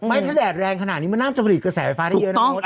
ถ้าแดดแรงขนาดนี้มันน่าจะผลิตกระแสไฟฟ้าได้เยอะนะมด